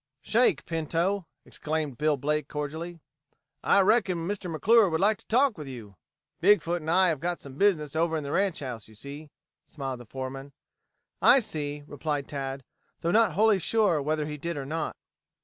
"Shake, Pinto," exclaimed Bill Blake cordially. "I reckon Mr. McClure would like to talk with you. Big foot and I have got some business over in the ranch house, you see," smiled the foreman. "I see," replied Tad, though not wholly sure whether he did or not.